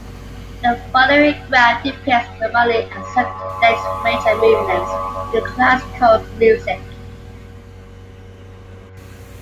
The following graph depicts commonly accepted dates for major movements in classical music.